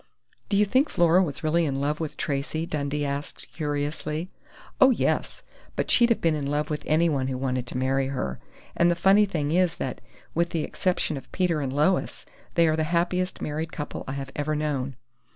"Do you think Flora was really in love with Tracey?" Dundee asked curiously. "Oh, yes! But she'd have been in love with anyone who wanted to marry her, and the funny thing is that, with the exception of Peter and Lois, they are the happiest married couple I have ever known....